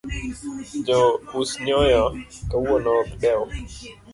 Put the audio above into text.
Jo us nyoyo kawuono ok dew.